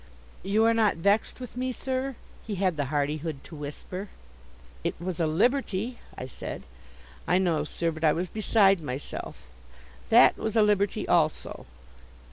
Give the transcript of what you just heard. "You are not vexed with me, sir?" he had the hardihood to whisper. "It was a liberty," I said. "I know, sir; but I was beside myself." "That was a liberty also."